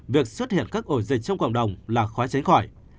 việc xuất hiện các ổ dịch trong cộng đồng là khóa chánh khỏi